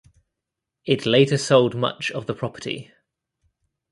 It later sold much of the property.